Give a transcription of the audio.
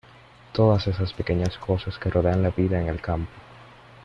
Todas esas pequeñas cosas que rodean la vida en el campo.